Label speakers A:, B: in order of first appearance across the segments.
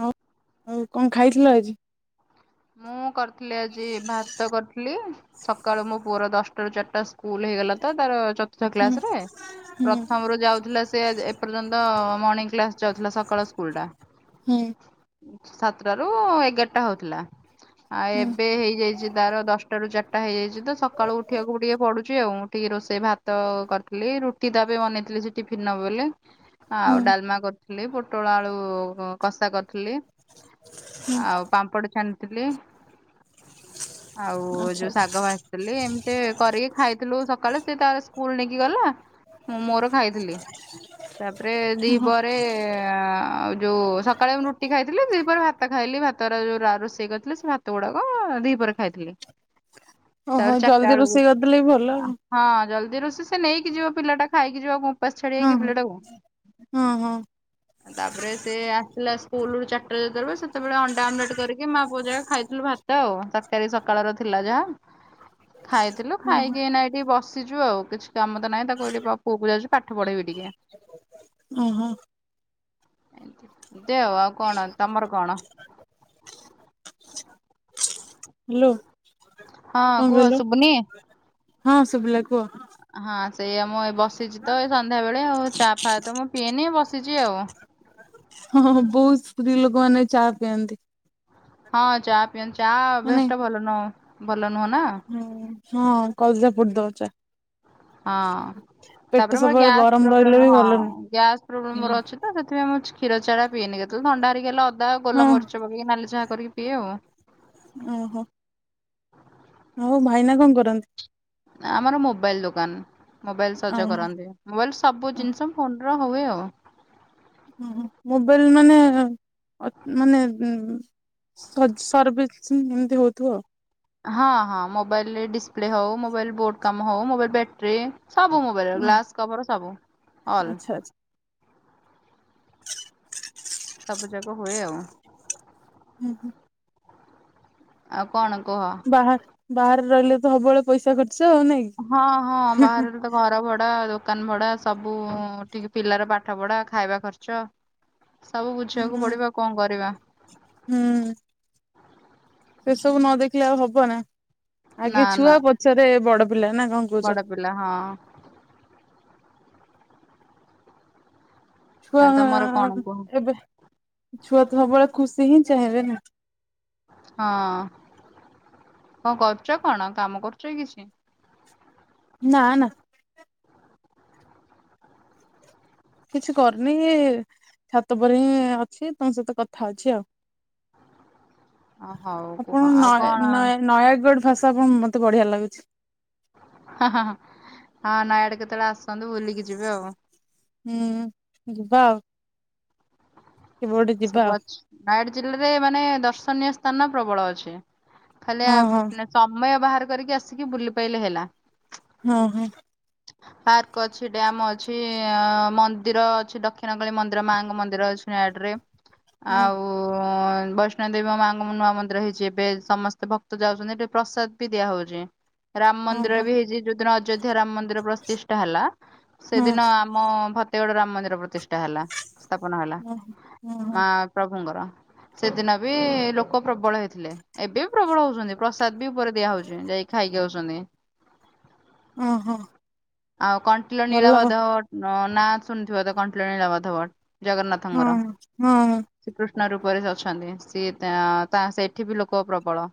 A: ହଉ ଆଉ କ ଖାଇଥିଲ ଆଜି?
B: ମୁଁ କରିଥିଲି ଆଜି ଭାତ କରିଥିଲି? ସକାଳୁ ମୋ ପୁଅର ଦଶଟା ରୁ ଚାରିଟା ସ୍କୁଲ ହେଇଗଲା ତ ତାର ଚତୁର୍ଥ
A: ହୁଁ
B: କ୍ଲାସ ରେ।
A: ହୁଁ
B: ପ୍ରଥମରୁ ଯାଉଥିଲା ସେ ଏପର୍ଯ୍ୟନ୍ତ ମଣିଙ୍ଗ କ୍ଲାସ୍ ଯାଉଥିଲା ସକାଳ ସ୍କୁଲ୍ ଟା
A: ହୁଁ।
B: ସାତଟା ରୁ ଏଗାରଟା ହଉଥିଲା। ଆ
A: ହୁଁ
B: ଏବେ ହେଇଯାଇଚି ତାର ଦଶଟା ରୁ ଚାରିଟା ହେଇଯାଇଚି ତ ସକାଳୁ ଉଠିବାକୁ ଟିକେ ପଡ଼ୁଚି ଆଉ। ଟିକେ ରୋଷେଇ ଭାତ କରିଥିଲି ରୁଟି ତା ପାଇଁ ବନେଇଥିଲି ସେ ଟିଫିନ୍ ନବ ବୋଲି। ଆଉ
A: ହୁଁ
B: ଡ଼ାଲମା କରିୁଥିଲି ପୋଟଳ ଆଳୁ କଷା କରି ଥିଲି
A: ହୁଁ
B: ଆଉ ପାମ୍ପଡ ଛାଣିଥିଲି ଆଉ
A: ଆଚ୍ଛା
B: ଯୋଉ ଶାଗ
A: ଆଚ୍ଛା
B: ଭାଜିଥିଲି ଏମିତି କରିକି ଖାଇଥିଲୁ ସକାଳେ ସେ ତାର ସ୍କୁଲ୍ ନେଇକି ଗଲା ମୁଁ ମୋର ଖାଇଥିଲି। ତାପରେ ଦି
A: ଓହୋ
B: ପରେ ଆଉ ଯୋଉ ସକାଳେ ମୁଁ ରୁଟି ଖାଇଥିଲି ଦିପହରେ ଭାତ ଖାଇଲି ଭା ତର ଯୋଉ ରା ରୋଷେଇ କରିଥିଲେ ସେ ଭାତ ଗୁଡ଼ାକ ଦିପହରେ ଖାଇଥିଲି। ତାପରେ
A: ଓହୋ ଜଲ୍ଦି
B: ଚାଟାବେଳକୁ
A: ରୋଷେଇ କରିଦେଲେ ବି ଭଲ ଆଉ।
B: ଆ ହଁ ଜଲ୍ ରୋଷେଇ ସେ ନେଇକି ଯିବ ପିଲାଟା ଖାଇକି ଯିବ ଆଉ କ ଓପାସ୍ ଛାଡ଼ିବା
A: ହଁ
B: କି ପିଲାଟାକୁ
A: ହଁ ହଁ ହଁ
B: ତାପରେ ସେ ଆ ପିଲା ସ୍କୁଲରୁ ଚାଟା ଜେତେବେଳେ ସେତେଳେ ଅନ୍ ଅଣ୍ଟା ଆବ୍ଲେଟ୍ କରିକି ମା ପୁଅ ଯା ଖାଇଥିଲୁ ଭାତ ଆଉ ତରକାରୀ ସକାଳ ର ଥିଲା ଯାହା। ଖାଇଥିଲୁ
A: ଓହୋ
B: ଖାଇକି ଇଁନା ଏଠି ବସିଛୁ ଆଉ କିଛି କାମ ତ ନାହିଁ ତାକୁ ଏଇଠି ପଅକୁ ଯାଉଚି ପାଠ ପଢେ ବି ଟିକେ।
A: ହୁଁ, ହୁଁ।
B: ଏମିତି ଯେ ଓ ଆଉ କଣ ତମର କଣ?
A: ହାଲୋ।
B: ହଁ, କୁହ। ସୁବୁନି?
A: ହଁ, ସୁବିଲା କୁ
B: ହଁ, ସେଇଆ ମୁଁ ଏ ବସିଛି ତ ଏଇ ସନ୍ଧ୍ୟା ବେଳେ ଆଉ ଚା ଫା ତ ମୁଁ ପିଏନି ବସିଛି ଆଉ।
A: ହଁ, ହଁ, ହଁ, ବହୁତ ସ୍ତ୍ରୀ ଲୋକମାନେ ଚା ପିଅନ୍ତି।
B: ହଁ, ଚା ପିଅନ୍ତି ଚା
A: ମାନେ
B: ଅଭ୍ୟାସ ଟା ଭଲ ନୁହଁ ଭଲ ନୁହଁ ନା।
A: ହୁଁ ହଁ କଲିଜା ପୋଡିଦବ ଚା'।
B: ହଁ।
A: ପେଟ
B: ତାପରେ ମୋର
A: ସବୁବେଳେ
B: ଗ୍ୟାସ୍
A: ଗରମ ରହିଲେ
B: ପ୍ରୋବ୍ଲେମ
A: ବି
B: ହଁ
A: ଭଲ
B: ଗ୍ୟାସ୍ ପ୍ରୋବ୍ଲେମ
A: ନୁହଁ।
B: ମୋର ଅଛି ତ ସେଥିପାଇଁ ମୁଁ ଛ କ୍ଷୀର ଚାହା ଟା ପିଏନି କେତେବେଳେ ଥଣ୍ଡା ହେରିକା ହେଲେ ଅଦା, ଗୋଲ
A: ହଁ
B: ମରିଚ ପକେଇକି ନାଲି ଚାହା କରିକି ପିଏ ଆଉ।
A: ଓ ହୋ! ଆଉ ଭାଇନା କ'ଣ କରନ୍ତି?
B: ଆମର ମୋବାଇଲ ଦୋକାନ, ମୋବାଇଲ ସଜ
A: ଓହୋ
B: କରନ୍ତି। ମୋବାଇଲ ସବୁ ଜିନିଷ ଫୋନ ର ହୁଏ ଆଉ।
A: ହୁଁ, ମୋବାଇଲ ମାନେ ଅ ମାନେ ସଜ୍ ସର୍ଭିସ୍ ସେମତି ହଉଥିବା।
B: ହଁ, ହଁ, ମୋବାଇଲ ଡିସପ୍ଲେ ହଉ, ମୋବାଇଲ ବୋର୍ଡ କାମ ହଉ, ମୋବାଇଲ ବ୍ୟାଟ୍ରି ସବୁ ମୋବାଇଲ ର
A: ଉଁ
B: ଗ୍ଲାସ, କଭର, ସବୁ ଅଲ୍।
A: ଆଚ୍ଛା ଆଚ୍ଛା
B: ସବୁ ଯାକ ହୁଏ ଆଉ।
A: ହୁଁ, ହୁଁ।
B: ଆଉ କଣ କୁହ?
A: ବାହାର୍ ବାହାରେ ରହିଲେ ତ ସବୁବେଳେ ପଇସା ଖ
B: ହଁ, ହଁ, ବାହାରେ ତ ଘର ଭଡା ଦୋକାନ ଭଡା, ସବୁଠିକ ପିଲାର ପାଠ ପଢା, ଖାଇବା ଖର୍ଚ୍ଚ। ସବୁ ବୁଝିବାକୁ
A: ହୁଁ।
B: ପଡିବ ଆଉ କ'ଣ କରିବା।
A: ହୁଁ ସେ ସବୁ ନ ଦେଖିଲେ ଆଉ ହବ ନା?
B: ନା
A: ଆଗେ
B: ନା
A: ଛୁଆ ପଛରେ ବଡ ପିଲା ନା କ'ଣ
B: ବଡ
A: କହୁଛ?
B: ପିଲା ହଁ।
A: ଛୁଆ
B: ଆ ତମର କଣ କୁହ
A: ଏବେ ଛୁଆ ତ ସବୁବେଳେ ଖୁସି ହିଁ ସେ ହେବେ ନା।
B: ହଁ। କ'ଣ କରୁଛ କ'ଣ କାମ କରୁଛ କିଛି?
A: ନାଁ, ନା। କିଛି କରୁନି। ଛାତ ଉପରେ ହିଁ ଅଛି ତମ ସହିତ କଥା ଅଉଛି ଆଉ।
B: [inaudible] ଅ ହଉ କୁହ
A: ଆପଣଙ୍କ
B: ଆଉ
A: ନୟେ
B: କଣ
A: ନୟା ନୟାଗଡ଼ ଭାଷା ଆପଣଙ୍କର ମତେ ବଢିଆ ଲାଗୁଛି।
B: ହଁ, ହଁ, ହଁ, ହଁ, ନୟାଗଡ କେତବେଳେ ଆସ ସନ୍ତୁ ବୁଲିକି ଯିବେ ଆଉ।
A: ହୁଁ। ଯିବା ଆଉ। କେବେ ଗୋଟେ ଯିବା
B: ସବୁ
A: ଆଉ
B: ଅଛି। ନୟାଗଡ଼ ଜିଲ୍ଲାରେ ମାନେ ଦର୍ଶନୀୟ ସ୍ଥାନ ପ୍ରବଳ ଅଛି। ଖାଲି ଆ
A: ହଁ ହଁ
B: ସମୟ ବାହାର କରିକି ଆସିକି ବୁଲି ପାଇଲେ ହେଲା।
A: ହୁଁ, ହୁଁ।
B: ପାର୍କ ଅଛି, ଡ୍ୟାମ ଅଛି, ମନ୍ଦିର ଅଛି, ଦକ୍ଷିଣ କାଳୀ ମନ୍ଦିର ମାଙ୍କ ମନ୍ଦିର ଅଛି। ନୟାଗଡ଼ ରେ
A: ହୁଁ।
B: ଆଉ ବୈଷ୍ଣବ ଦେବୀ ମୋ ମାଆଙ୍କ ନୂଆ ମନ୍ଦିର ହେଇଛି ଏବେ ସମସ୍ତେ ଭକ୍ତ ଯାଉଛନ୍ତି ହେଠି ପ୍ରସାଦ ବି ଦିଆ ହଉଛି। ରାମ ମନ୍ଦିରରେ
A: ଓହୋ
B: ବି ହେଇଛି ଯୋଉ ଦିନ ମଧ୍ୟ ରାମ ମନ୍ଦିର ପ୍ରତିଷ୍ଠା ହେଲା,
A: ହଁ
B: ସେଦିନ ଆମ ଭତେଗଡ ରାମ ମନ୍ଦିର ପ୍ରତି ଟା ହେଲା ସ୍ଥାପନ ହେଲା।
A: ଓହୋ ଓହୋ
B: ମହା ପ୍ରଭୁଙ୍କର ସେଦିନ ବି ଲୋକ ପ୍ରବଳ ହେଇଥିଲେ ଏବେ ବି ପ୍ରବଳ ହଉଛନ୍ତି, ପ୍ରସାଦ ବି ଉପରେ ଦିଆ ହଉଚି ଯାଇ ଖାଇକି ଆଉଛନ୍ତି।
A: ଓହୋ
B: ଆଉ କଣ୍ଟିଲ
A: ଭଲ
B: ନୀଳ ମାଧବ ନାଁ ଶୁଣିଥିବ ତ କଣ୍ଟିଲ ନୀଳ ମାଧବ
A: ହଁ
B: ଜଗନ୍ନାଥଙ୍କର।
A: ହଁ।
B: କୃଷ୍ଣ ରୂପରେ ସେ ଅଛନ୍ତି, ସିଏ ତା ତା ସେଠି ବି ଲୋକ ପ୍ରବଳ।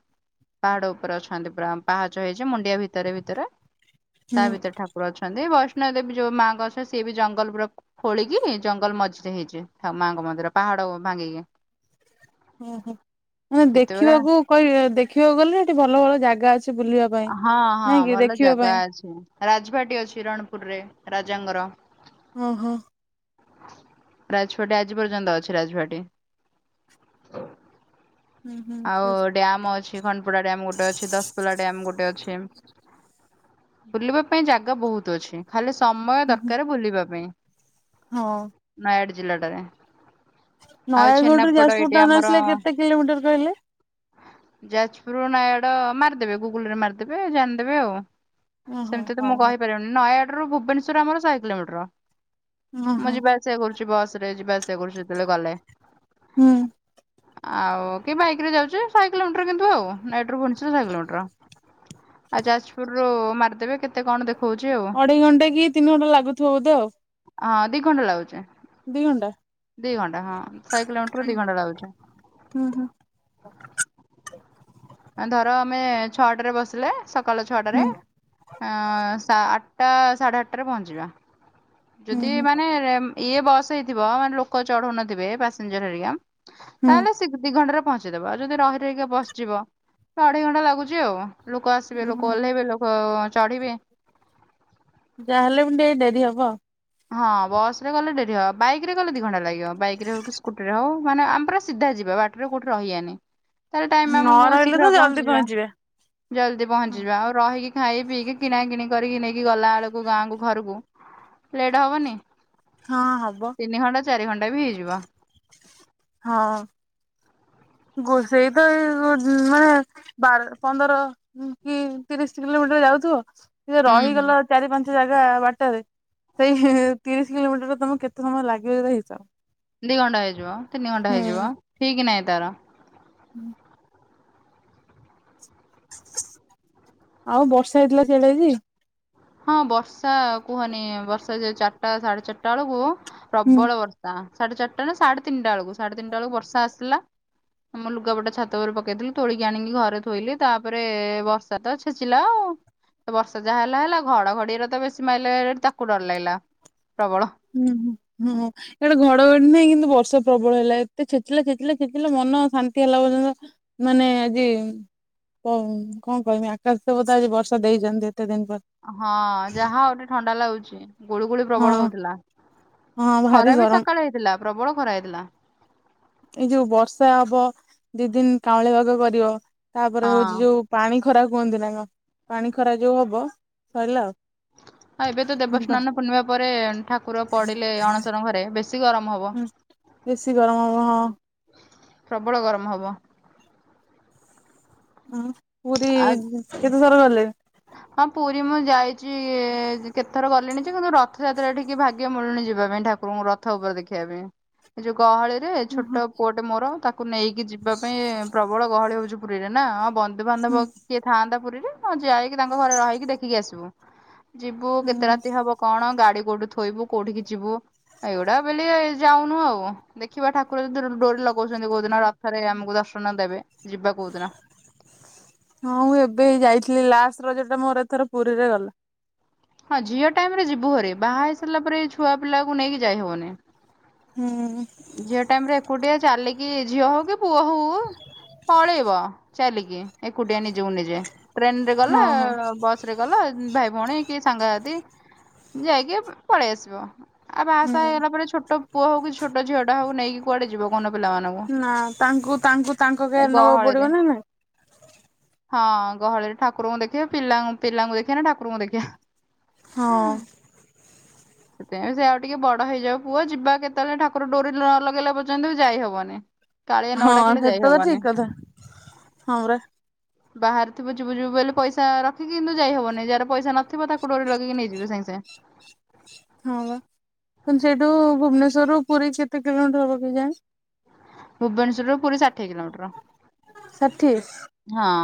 B: ପାହାଡ ଉପରେ ଅଛନ୍ତି ପୁରା, ପାହାଚ ହେଇଚି ମୁଣ୍ଡିଆ ଭିତରେ ଭିତରେ। ତା
A: ହୁଁ
B: ଭିତରେ ଠାକୁର ଅଛନ୍ତି ବ ଷ୍ଣ ଦେବୀ ଯୋଉ ମାଙ୍କ ଗସ ସିଏ ବି ଜଙ୍ଗଲ ପୁରା ଖୋ-ଖୋଳିକି ଜଙ୍ଗଲ ମଝିରେ ହେଇଚି ମାଙ୍କ ମନ୍ଦିର। ସେ ପାହାଡ଼ ଭଙ୍ଗିକି।
A: ଓହୋ ମାନେ ଦେଖିବାକୁ କହିବେ ଦେଖିବାକୁ ଗଲେ, ସେଠି ଭଲ ଭଲ ଜାଗା ଅଛି। ବୁଲିବା ପାଇଁ,
B: ହଁ ହଁ
A: ନାଇଁକି
B: ଭଲ
A: ଦେଖିବା
B: ଜାଗା
A: ପାଇଁ।
B: ଅଛି ରାଜଭାଟୀ ଅଛି ରଣପୁରରେ ରାଜାଙ୍କର।
A: ଓହୋ।
B: ରାଜପାଟୀ ଆଜି ପର୍ଯ୍ୟନ୍ତ ଅଛି ରାଜଭାଟୀ।
A: ହୁଁ ହୁଁ
B: ଆଉ
A: ଆଚ୍ଛା ଆଚ୍ଛା,
B: ଡ୍ୟାମ ଅଛି, ଖଣ୍ଡପଡା ଡ୍ୟାମ ଗୋଟେ ଅଛି, ଦଶପଲ୍ଲା ଡ୍ୟାମ ଗୋଟେ ଅଛି। ବୁଲିବା ପାଇଁ ଜାଗା ବହୁତ ଅଛି ଖାଲି ସମୟ
A: ହୁଁ ହୁଁ
B: ଦରକାର ବୁଲିବା ପାଇଁ।
A: ହଁ।
B: ଜିଲ୍ଲା ଟାରେ।
A: ନୟାଗଡରୁ ଯାଜପୁର ଟାଉନ ଆସିଲେ, କେତେ କିଲୋମିଟର କହିଲେ?
B: ଯାଜପୁରରୁ ନୟାଗଡ ମାରିଦେବେ ଗୁଗୁଲରେ ମାରିଦେବେ ଜାଣିଦେବେ ଆଉ।
A: ଓହୋ
B: ସେମିତି ତ
A: ହଉ
B: ମୁଁ
A: ହଉ
B: କହିପାରିବିନି, ନୟାଗଡରୁୁ ଭୁବନେଶ୍ଵର ଆମର ଶହେ କିଲୋମିଟର।
A: ଓହୋ
B: ମୁଁ ଯିବା ଆସିବା କରୁଚି, ବସରେ ଯିବା ଆସିବା କରୁଚି ଯେତେବେଳେ ଗଲେ।
A: ହୁଁ।
B: ଆଉ କିଏ ବାଇକରେ ଯାଉଚି, ଶହେ କିଲୋମିଟର କିନ୍ତୁ ଆଉ, ନୟାଗଡରୁ ଭୁବନେଶ୍ୱର ଶହେ କିଲୋମିଟର। ଆଉ ଯାଜପୁରରୁୁ ମାରିଦେବେ କେତେ କଣ ଦେ
A: ଅଢେଇ ଘଣ୍ଟା କି ତିନି ଘଣ୍ଟା ଲାଗୁଥିବ ବୋଧେ ଆଉ।
B: ହଁ ଦି ଘଣ୍ଟା ଲାଗୁଚି।
A: ଦି ଘଣ୍ଟା?
B: ଦି ଘଣ୍ଟା ହଁ ଶହେ କିଲୋମିଟର ଦି ଘଣ୍ଟା ଲାଗୁଚି।
A: ହୁଁ [inaudible]
B: ଧର ଆମେ ଛଅଟାରେ ବସିଲେ ସକାଳ ଛଅଟାରେ
A: ହୁଁ
B: ଅଁ ସ ଆଠ ଟା ସାଢ଼େ ଆଠଟାରେ ପହଞ୍ଚିବା ଯଦି
A: ହୁଁ
B: ମାନେ ଏମ୍ ଇଏ ବସ ହେଇଥିବ, ମାନେ ଲୋକ ଚଢଉ ନଥିବେ। ପାସେଞ୍ଜର ହେରିକା
A: ହୁଁ ହୁଁ
B: ତାହେଲେ ସେ ଦି ଘଣ୍ଟାର ପହଞ୍ଚେଇ ଦବ, ଆଉ ଯଦି ରହି ରହି କା ବସ୍ ଯିବ, ତ ଅଢେଇ ଘଣ୍ଟା ଲାଗୁଚି ଆଉ। ଲୋକ ଆସିବେ, ଲୋକ
A: ହଁ
B: ଓହ୍ଲେଇବେ, ଅଁ ଲୋକ ଚଢିବେ।
A: ଯାହାହେଲେ, ମ ଟିକେ ଡେରି ହବ।
B: ହଁ ବସରେ ଗଲେ ଡେରି ହବ। ବାଇକ ରେ ଗଲେ ଦି ଘଣ୍ଟା ଲାଗିବ। ବାଇକରେ ହଉ କି ସ୍କୁଟିରେ ହଉ। ମାନେ ଆମେ ପୁରା ସିଧା ଯିବା ବାଟରେ କୋଉଠି ରହିଆନି। ତାହେଲେ
A: ଆଉ
B: ଟାଇମ
A: ନ
B: ଆମକୁ
A: ରହିଲେ
B: ଶୀଘ୍ର
A: ତ
B: ପହଞ୍ଚି
A: ଜଲ୍ଦି
B: ଯିବା,
A: ପହଞ୍ଚିବେ
B: ଜଲ୍ଦି
A: ହୁଁ
B: ପହଞ୍ଚି ଯିବା ଆଉ ରହି ଖାଇ, ପିଇକି କିଣା କିିଣି କରିକି ନେଇକି ଗଲାବେଳକୁ ଗାଁକୁ ଘରକୁ ଲେଟେ ହବନି?
A: ହଁ, ହବ।
B: ତିନି ଘଣ୍ଟା ଚାରି ଘଣ୍ଟା ବି ହେଇଯିବ।
A: ହଁ। ଗୋସେଇ ତ ଏଇ ହୁଏ ବାର ପନ୍ଦର କି ତିରିଶ କିଲୋମିଟ ର ଯାଉଥିବ, ଟିକେ
B: ହୁଁ ହୁଁ
A: ରହିଗଲ ଚାରି ପାଞ୍ଚ ଜାଗା ବାଟରେ ସେଇ ତିରିଶ କିଲୋମିଟର ତମକୁ କେତେ ସମୟ ଲାଗିବ ଇରା ହିସାବ।
B: ଦି ଘଣ୍ଟା ହେଇଯିବ, ତିନି ଘଣ୍ଟା ହେଇଯିବ ଠିକ ନାହିଁ ତାର।
A: ହୁଁ। ଆଉ ବର୍ଷା ହେଇଥିଲା, ସିଆଡେ ଆଜି।
B: ହଁ, ବର୍ଷା କୁହନି ବର୍ଷା ଯେ ଚାରିଟା ସାଢେ ଚାରିଟା ବେଳକୁ।
A: ହୁଁ
B: ପ୍ରବଳ ବର୍ଷା ସାଢେ ଚାରିଟା ନା ସାଢେ ତିନଟା ବେଳକୁ ସାଡେ ତିନିଟା ବର୍ଷା ଆସିଲା। ଆମ ଲୁଗାପଟା ଛାତ ଉପରେ ପକେଇଥିଲି ତୋଳିକି ଆଣିକି, ଘରେ ଥୋଇଲି ତାପରେ ବର୍ଷା ତ ଛେଚିଲା ଆଉ। ତ ବର୍ଷା ଯାହା ହେଲା ହେଲା ଘଡଘଡି ରା ତ ବେଶୀ ମାଇଲା ହେରି ତାକୁ ଡର ଲାଗିଲା। ପ୍ରବଳ
A: ହୁଁ ହୁଁ ହୁଁ ଇଆଡେ ଘଡ ଘଡଘଡି ନାହିଁ କିନ୍ତୁ ବର୍ଷା ପ୍ରବଳ ହେଲା, ଏତେ ଛେଚିଲା ଛେଚିଲା ଛେଚିଲା ମନ ଶାନ୍ତି ହେଲା ପର୍ଯ୍ୟନ୍ତ ମାନେ। ଆଜି କଁ କଁ, କହିବି, ଆକାଶ ଦେବତା ଆଜି ବର୍ଷା ଦେଇଛନ୍ତି। ଏତେ ଦିନ ପରେ।
B: ହଁ, ଯାହା ହଉ ଟିକେ ଥଣ୍ଡା ଲାଗୁଚି। ଗୁଳିୁ ଗୁଳି
A: ହଁ
B: ପ୍ରବଳ ହଉଥିଲା,
A: ହଁ ଭାରି
B: ଖରା ବି
A: ଗରମ।
B: ସକାଳେ ହେଇଥିଲା ପ୍ରବଳ ଖରା ହେଇଥିଲା।
A: ଏଇ ଯୋଉ ବର୍ଷା ଦିଅ ତାପରେ ହଉଛି
B: ହଁ
A: ଯୋଉ ପାଣି। ଖରା କୁହନ୍ତି ନା କଣ ପାଣି ଖରା ଯୋଉ ହବ ସଇଲା ଆଉ।
B: ହଁ ଏବେ ତ
A: ବା
B: ଦେବସ୍ନାନ ପୂର୍ଣ୍ଣିମା ପରେ ଠାକୁର ପଡିଲେ ଅଣସର ଘରେ ବେଶୀ ଗରମ ହବ।
A: ହୁଁ ବେଶୀ ଗରମ ହବ ହଁ।
B: ପ୍ରବଳ ଗରମ ହବ।
A: ଉଁ ପୁରୀ କେତେ ଥର ଗଲେଣି।
B: ହଁ ହଁ ପୁରୀ ମୁଁ ଯାଇଛି କେତଥର ଗଲିଣି ଯେ କିନ୍ତୁ ରଥଯାତ୍ରା ଟିକେ ଭାଗ୍ୟ ମିଳୁଣିି ଯିବା ପାଇଁ ଠାକ କୁରଙ୍କୁ ରଥ ଉପରେ ଦେଖିବା ପାଇଁ ଏ ଯୋଉ ଗହଳି। ରେ
A: ହୁଁ ହୁଁ
B: ଛୋଟ ପୁଅଟେ ମୋର ତାକୁ ନେଇକି ଯିବା ପାଇଁ ପ୍ରବଳ ଗହଳି ହଉଛି ପୁରୀରେ ନାଁ ହଁ। ବନ୍ଧୁବାନ୍ଧବ କିଏ ଥାଆନ୍ତା ପୁରୀରେ ମୁଁ ଯାଇକି ତାଙ୍କ ଘରେ ରହିକି ଦେଖିକି ଆସିବୁ। ଯିବୁ କେତେ
A: ହୁଁ
B: ରାତି ହବ କଣ ଗାଡି। କୋଉଠି ଥୋଇବୁ କୋଉଠି ଯିବୁ ଏଇଗୁଡା ବେଲି ଯାଉନୁ ଆଉ ଦେଖିବା ଠାକୁର ଯୋଉ ଦିନ ଡୋରି ଲଗଛନ୍ତି କୋଉ ଦିନ ରଥରେ ଆମକୁ ଦର୍ଶନ ଦେବେ। ଯିବା କୋଉଦିନ
A: ହଁ ମୁଁ ଏବେ ଏଇ ଯାଇଥିଲି ଲାଷ୍ଟ। ରଜ ଟା ମୋର ଏଥର ପୁରୀରେ ଗଲା।
B: ହଁ ଝିଅ ଟାଇମ ରେ ଯିବୁ ଭାରି ବାହା ହେଇ ସାରିଲା ପରେ ଛୁଆ ପିଲାକୁ ନେଇକି ଯାଇହବନି।
A: ହୁଁ
B: ଝିଅ ଟାଇମ ରେ ଏକୁଟିଆ ଚାଲିକି ଝିଅ ହଉ କି ପୁଅ ହଉ ପଳେଇବ। ଚାଲିିକି। ଏକୁଟିଆ ନିଜକୁ ନିଜେ ଟ୍ରେନ ରେ ଗଲ
A: ହଁ ହଁ
B: ବସ ରେ ଗଲ ଭାଇ ଭଉଣୀ କି ସାଙ୍ଗସାଥୀ। ଯାଇକି ପଳେଇ ଆସିବ ଆଉ ବାହାସାହା
A: ହୁଁ।
B: ହେଇଗଲା ପରେ ଛୋଟ ପୁଅ ହଉ କି ଝିଅ। ଝିଅଟା ହଉ ନେଇକି କୁଆଡ ଯିବ କହୁ
A: ନା ତାଙ୍କୁ ତାଙ୍କୁ ତାଙ୍କ
B: ଏ
A: କେୟାର ନବାକୁ
B: ଗହଳିରେ
A: ପଡିବ ନା ନାଇ।
B: ହଁ ଗହଳିରେ ଠାକୁରଙ୍କୁ ଦେଖିବା ପିଲା ପିଲାଙ୍କୁ ଦେଖିବା ନା ଠାକୁରଙ୍କୁ ଦେଖିବା।
A: ହଁ।
B: ସେଥିପାଇଁ ସେ ଆଉ ଟିକେ ବଡ ହେଇଯାଉ ପୁଅ ଯିବା କେତେବେଳେ ଠାକୁ ର ଡୋରି ନ ଲଗେଇଲା ପର୍ଯ୍ୟନ୍ତ ବି ଯାଇ ହବନି। କାଳିଆ ନଅ
A: ହଁ
B: ଡାକିଲେ ଯାଇ
A: ସେଟା ତ ଠିକ
B: ହବନି।
A: କଥା ହଁ ପରା
B: ବାହାରି ଥିବୁ ଜିବୁ ଜିବୁ ବେଲି ପଇସା ରଖିକି କିନ୍ତୁ ଯାଇହବନି ଯାହାର ପଇସା ନଥିବ ତାକୁ ଡୋରି ଲଗେଇକି ନେଇଯିବେ ସାଙ୍ଗେ ସାଙ୍ଗେ। [inaudible]
A: ହଁ ବା କିନ୍ତୁ ସେଇଠୁ ଭୁବନେସ୍ୱର ରୁ ପୁରୀ କେତେ କିଲୋମିଟର ହବ କେଜାଣି।
B: ଭୁବନେଶର ରୁ ପୁରୀ ଷାଠିଏ କିଲୋମିଟର।
A: ଷାଠିଏ।
B: ହଁ।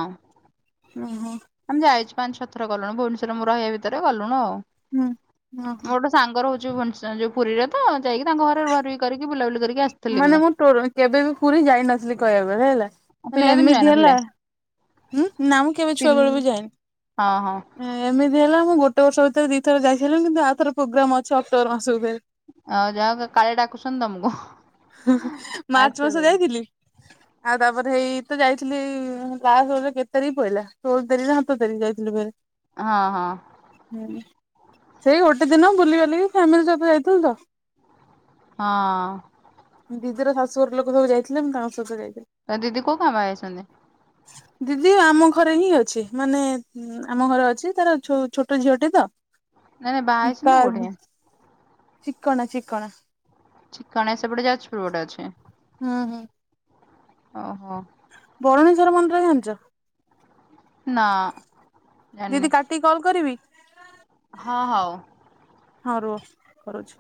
A: ଓ ହୋ।
B: ଆମେ ଯାଇଛୁ ପାଞ୍ଚ ଛ ଥର ଗଲୁଣୁ ଭୁବନେଶ୍ୱର ରେ ମୁଁ ରହିବା ଭିତରେ ଗଲୁଣୁ ମୋର
A: ଓହୋ
B: ଗୋଟେ ସାଙ୍ଗ ରହୁଛି। ଯୋଉ ଭୋନସ ଯୋଉ ପୁରୀରେ ତ ଯାଇକି ତାଙ୍କ ଘରେ ରୁହା ରୁହି କରିକି ବୁଲାବୁଲି କରିକି।
A: ମାନେ ମୁଁ ଟୋ କେବେ ବି ପୁରୀ ଯାଇନଥିଲି କହିବାକୁ ଗଲେ ହେଲା ମାନେ
B: ପିଲାଦିନୁ
A: ଏମିତି
B: ଯାଇନଥିଲେ
A: ହେଲା। ହୁଁ ନା ମୁଁ କେବେ ଛୁଆ
B: ପିଲ୍
A: ବେଳୁ ବି
B: ହଁ ହଁ
A: ଯାଇନି ଉଁ ଏମିତି ହେଲା ମୁଁ ଗୋଟେ ଅକ୍ଟୋବର ସ ଭିତରେ ଦିଥର ଯାଇ ସାରିଲିଣି ଆଉଥରେ ପ୍ରୋଗ୍ରାମ ଅଛି ଅକ୍ଟୋବର ମାସ ଭିତରେ।
B: ଆଉ ଯାଅ କାଳିଆ ଡାକୁଛନ୍ତି ତମୁକୁ।
A: ମାର୍ଚ୍ଚ ମାସ ଯାଇଥିଲି। ଆଉ ତାପରେ ହେଇ ତ ଯାଇଥିଲି ବାହାଘରରେ କେତେ ତାରିଖ ପଇଲା ଷୋଳ ତାରିଖ ନା ସତର ତାରିଖ ଯାଇଥିଲି ଭାରି।
B: ହଁ ହଁ।
A: ସେଇ ଗୋଟେ ଦିନ ବୁଲି ବାଲିକି ଫ୍ୟାମିଲି ସହିତ ଯାଇଥିଲୁ ତ।
B: ହଁ।
A: ଦିଦିର ଶାଶୁଘର ଲୋକ ସବୁ ଯାଇଥିଲେ ମୁଁ ତାଙ୍କ ସହିତ ଯାଇଥିଲି।
B: ତ ଦିଦି କୋଉ ଗାଁ ବାହା ହେଇଛନ୍ତି?
A: ଦିଦି ଆମ ଘରେ ହିଁ ଅଛି ମାନେ ଆମ ଘରେ ଅଛି ତାର ଛୋଟ ଝିଅଟେ ତ।
B: ନାଇଁ ନାଇଁ ବାହା
A: ତା
B: ହେଇଛନ୍ତି କୋଉଠି?
A: ଚିକଣା ଚିକଣା।
B: ଚିକଣା ସେପଟେ ଯାଜପୁର ଗୋଟେ ଅଛି।
A: ହୁଁ ହୁଁ।
B: ଓହୋ।
A: ବରୁଣେଝ୍ୱର ମନ୍ଦିର ଜାଣିଛ?
B: ନା ଜାଣିନି
A: ଦିଦି କାଟିକି କଲ କରିବି?
B: ହଁ ହଉ।
A: ହଁ ରୁହ କରୁଛି।